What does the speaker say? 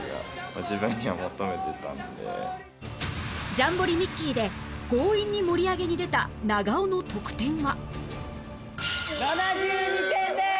『ジャンボリミッキー！』で強引に盛り上げに出た７２点です！